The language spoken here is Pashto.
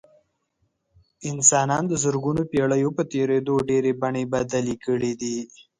انسان د زرګونو پېړیو په تېرېدو ډېرې بڼې بدلې کړې دي.